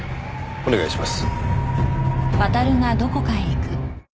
お願いします。